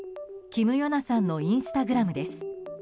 キム・ヨナさんのインスタグラムです。